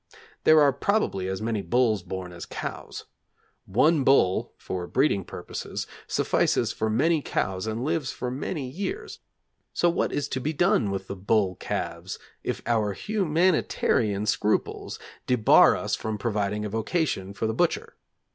There are probably as many bulls born as cows. One bull for breeding purposes suffices for many cows and lives for many years, so what is to be done with the bull calves if our humanitarian scruples debar us from providing a vocation for the butcher?